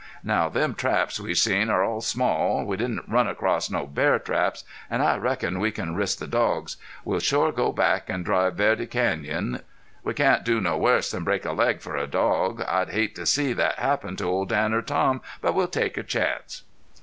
Now, them traps we seen are all small. We didn't run across no bear traps. An' I reckon we can risk the dogs. We'll shore go back an' drive Verde Canyon. We can't do no worse than break a leg for a dog. I'd hate to see thet happen to Old Dan or Tom. But we'll take a chance."